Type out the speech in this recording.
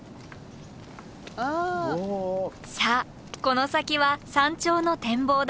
さあこの先は山頂の展望台。